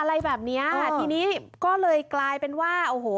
อะไรแบบเนี้ยทีนี้ก็เลยกลายเป็นว่าโอ้โห